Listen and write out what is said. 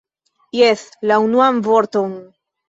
Jes, la unuan vorton!